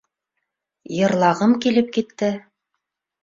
Йырлағым килеп китте.